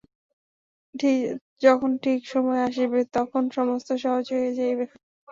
যখন ঠিক সময় আসিবে তখন সমস্ত সহজ হইয়া যাইবে।